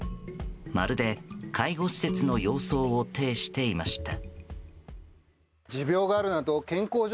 まるで介護施設の様相を呈していました。